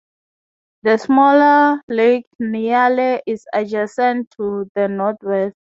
The smaller Lake Neale is adjacent to the northwest.